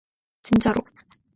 진짜로.